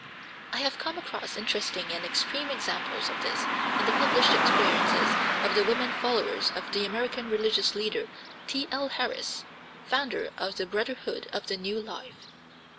I have come across interesting and extreme examples of this in the published experiences of the women followers of the American religious leader, T.L. Harris, founder of the "Brotherhood of the New Life."